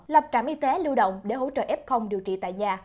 lập trạm y tế lưu động để hỗ trợ f điều trị tại nhà